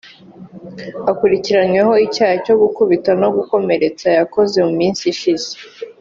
Akurikiranyweho icyaha cyo gukubita no gukomeretsa yakoze mu minsi ishize